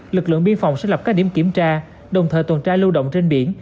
lực lượng biên phòng xác lập các điểm kiểm tra đồng thời tuần trai lưu động trên biển